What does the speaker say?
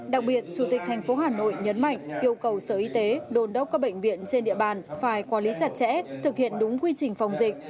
đặc biệt chủ tịch tp hà nội nhấn mạnh yêu cầu sở y tế đồn đốc các bệnh viện trên địa bàn phải quản lý chặt chẽ thực hiện đúng quy trình phòng dịch